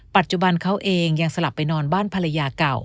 ปัจจุบันเขาเองยังสลับไปนอนบ้านภรรยาเก่า